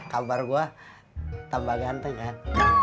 kabar gua tambah ganteng kak